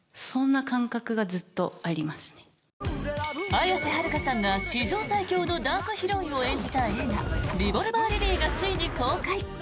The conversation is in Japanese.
綾瀬はるかさんが史上最強のダークヒロインを演じた映画「リボルバー・リリー」がついに公開。